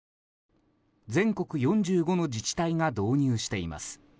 全国４５の自治体が導入しています。